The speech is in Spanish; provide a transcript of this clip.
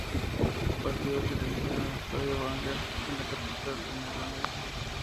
Los partidos se realizaron en el Estadio Wagener de la capital neerlandesa.